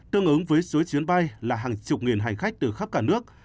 tương ứng với số chuyến bay là hàng chục nghìn hành khách từ khắp cả nước